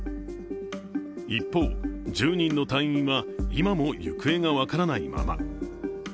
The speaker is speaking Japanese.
一方、１０人の隊員は今も行方が分からないまま。